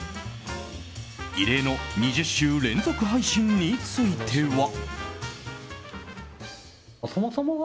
異例の２０週連続配信については。